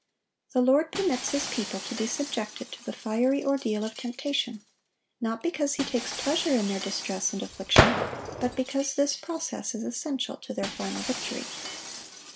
The Lord permits His people to be subjected to the fiery ordeal of temptation, not because He takes pleasure in their distress and affliction, but because this process is essential to their final victory.